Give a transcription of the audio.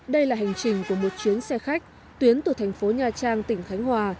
đây là hành trình của một chuyến xe khách tuyến từ thành phố nha trang tỉnh khánh hòa